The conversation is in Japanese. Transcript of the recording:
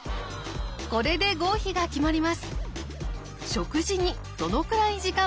これで合否が決まります。